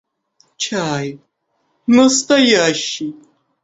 Чай настоящий!